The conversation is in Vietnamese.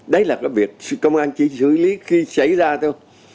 đấy là cái việc công an chỉ xử lý khi xảy ra thôi